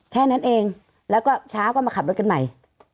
แค่นั้นเองแล้วก็เช้าก็มาขับรถกันใหม่